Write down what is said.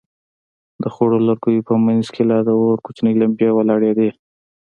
د خړو لوگيو په منځ کښې لا د اور کوچنۍ لمبې ولاړېدې.